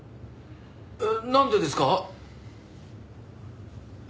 えっなんでですか？